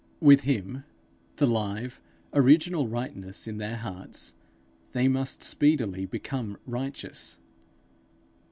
With him, the live, original rightness, in their hearts, they must speedily become righteous.